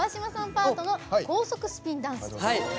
パートの高速スピンダンス。